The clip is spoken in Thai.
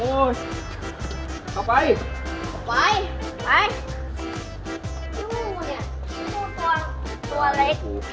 โอ้ยเข้าไปเข้าไปไป